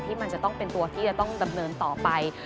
มันจะต้องเป็นตัวที่จะต้องดำเนินต่อไป